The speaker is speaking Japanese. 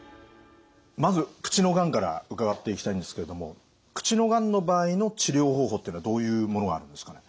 まず口のがんから伺っていきたいんですけれども口のがんの場合の治療方法っていうのはどういうものがあるんですかね？